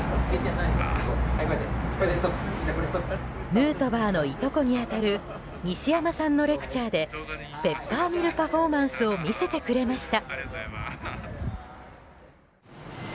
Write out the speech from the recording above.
ヌートバーのいとこに当たる西山さんのレクチャーでペッパーミルパフォーマンスを見せてくれました。